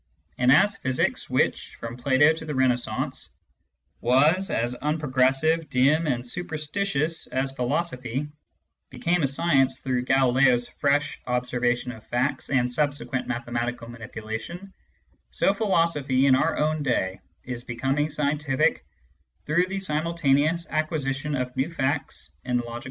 And as physics, which, from Plato to the Renaissance, was as unprogressive, dim, and super stitious as philosophy, became a science through Galileans fresh observation of facts and subsequent mathematical manipulation, so philosophy, in our own day, is becoming scientific through the simultaneous acquisition of new facts and logical methods.